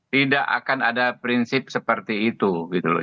tidak akan ada prinsip seperti itu gitu loh